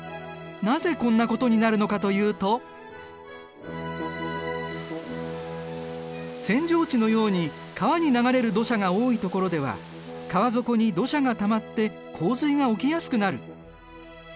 なぜこんなことになるのかというと扇状地のように川に流れる土砂が多いところでは川底に土砂がたまって洪水が起きやすくなる。